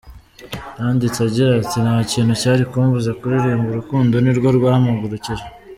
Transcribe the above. Yanditse agira ati “Nta kintu cyari kumbuza kuririmba, urukundo ni rwo rwampagurukije.